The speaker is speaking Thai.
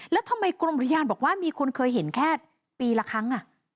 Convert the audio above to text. แล้วทำไมกรมอุทยานบอกว่ามีคนเคยเห็นแค่ปีละครั้ง